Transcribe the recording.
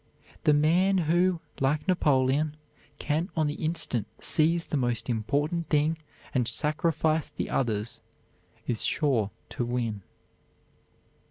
The man who, like Napoleon, can on the instant seize the most important thing and sacrifice the others, is sure to win.